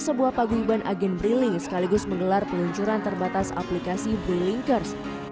sebuah paguyuban agen bri link sekaligus menggelar peluncuran terbatas aplikasi bri linkers